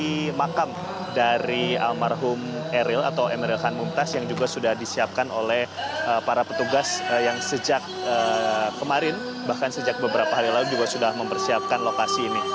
ini makam dari almarhum eril atau emeril khan mumtaz yang juga sudah disiapkan oleh para petugas yang sejak kemarin bahkan sejak beberapa hari lalu juga sudah mempersiapkan lokasi ini